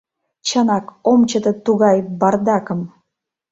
— Чынак ом чыте тугай... бардакым.